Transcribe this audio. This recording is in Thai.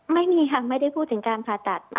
ไม่มีค่ะไม่ได้พูดถึงการผ่าตัด